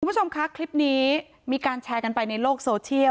คุณผู้ชมคะคลิปนี้มีการแชร์กันไปในโลกโซเชียล